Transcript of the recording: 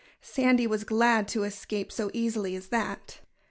Sandy was glad to escape so easily as that.